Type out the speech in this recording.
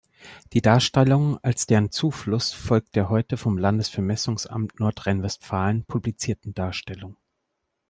Die Darstellung als deren Zufluss folgt der heute vom Landesvermessungsamt Nordrhein-Westfalen publizierten Darstellung.